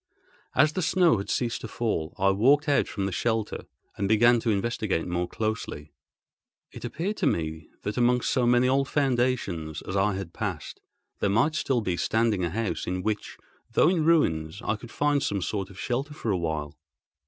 As the snow had ceased to fall, I walked out from the shelter and began to investigate more closely. It appeared to me that, amongst so many old foundations as I had passed, there might be still standing a house in which, though in ruins, I could find some sort of shelter for a while.